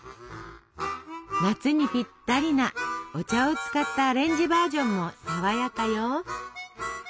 夏にぴったりなお茶を使ったアレンジバージョンも爽やかよ！